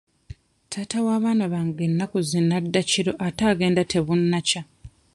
Taata w'abaana bange ennaku zino adda kiro ate agenda tebunnakya.